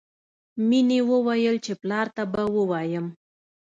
مینې وویل چې پلار ته به ووایم